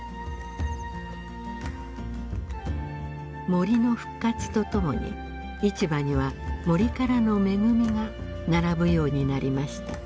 森の復活とともに市場には森からの恵みが並ぶようになりました。